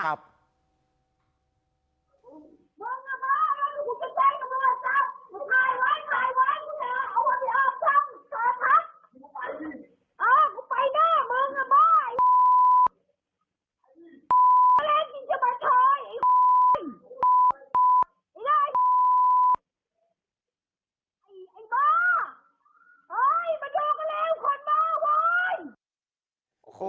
ไม่มีคนมาหวอย